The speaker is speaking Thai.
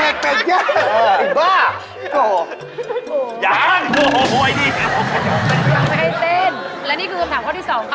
ใช่จะทำแกงเห็ดเห็ดป้างเนี่ย